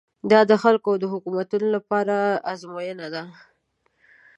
دا د خلکو او حکومتونو لپاره ازموینه ده.